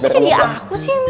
jadi aku sih yang minum